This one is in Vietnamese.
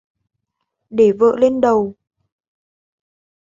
Để vợ lên đầu